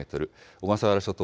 小笠原諸島